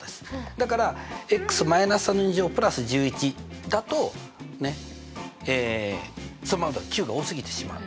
だから＋１１だとそのままだと９が多すぎてしまう。